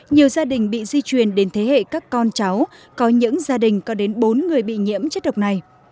nhiều gia đình bị di truyền đến thế hệ các con cháu có những gia đình có đến bốn người bị nhiễm chất độc này